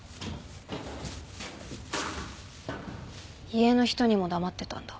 家の人にも黙ってたんだ。